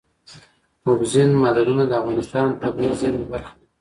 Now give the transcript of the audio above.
اوبزین معدنونه د افغانستان د طبیعي زیرمو برخه ده.